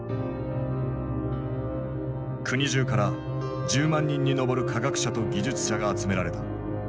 国じゅうから１０万人に上る科学者と技術者が集められた。